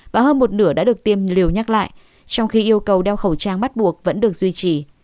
và hơn một nửa đã được tiêm liều nhắc lại trong khi yêu cầu đeo khẩu trang bắt buộc vẫn được duy trì